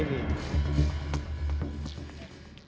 membuktikan apa yang kami kritik selama ini